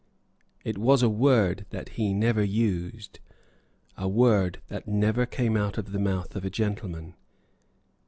It was a word that he never used, a word that never came out of the mouth of a gentleman.